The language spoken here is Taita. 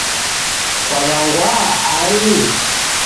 Kwawangwaa ani?